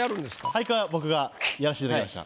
俳句は僕がやらしていただきました。